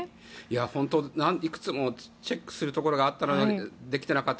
本当にいくつもチェックするところがあったのにできていなかった。